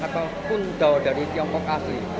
atau kundaw dari tiongkok asli